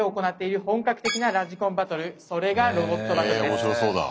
へえ面白そうだ。